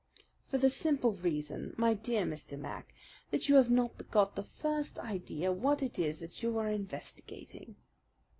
"For the simple reason, my dear Mr. Mac, that you have not got the first idea what it is that you are investigating."